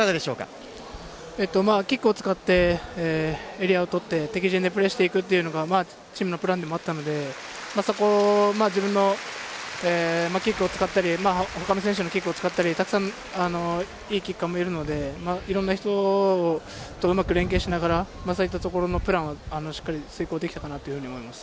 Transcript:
キックを使って、エリアを取って、敵陣でプレーしていくっていうのが、チームのプランでもあったので、自分のキックを使ったり、他の選手をキックを使ったり、たくさんいいキッカーもいるので、いろんな人とうまく連携しながら、そういったところのプランをしっかり遂行できたかなと思います。